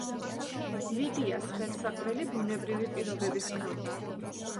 ლიდიას ხელსაყრელი ბუნებრივი პირობები ჰქონდა.